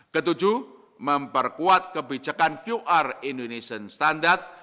ketujuh memperkuat kebijakan qr indonesian standard